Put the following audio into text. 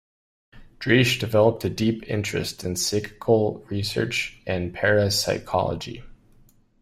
Driesch developed a deep interest in Psychical Research and Parapsychology.